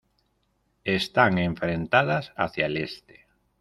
Están enfrentadas hacia el este.